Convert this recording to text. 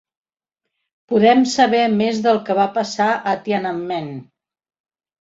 Podem saber més del que va passar a Tiananmen